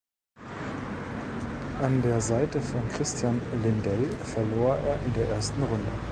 An der Seite von Christian Lindell verlor er in der ersten Runde.